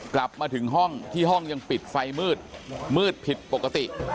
กลับมาถึงห้องที่ห้องยังปิดไฟมืดมืดผิดปกติ